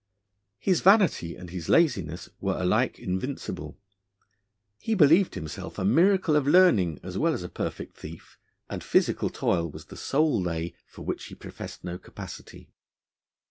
His vanity and his laziness were alike invincible. He believed himself a miracle of learning as well as a perfect thief, and physical toil was the sole 'lay' for which he professed no capacity.